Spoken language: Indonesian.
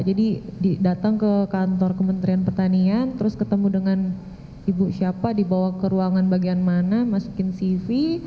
jadi datang ke kantor kementrian pertanian terus ketemu dengan ibu siapa dibawa ke ruangan bagian mana masukin cv